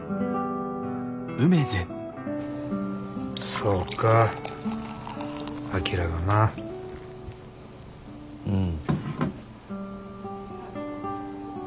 そうか章がなぁ。うん。